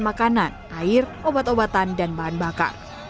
makanan air obat obatan dan bahan bakar